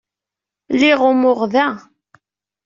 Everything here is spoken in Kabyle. Liɣ umuɣ da.